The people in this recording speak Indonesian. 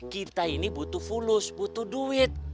kita ini butuh fulus butuh duit